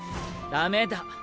ダメだ。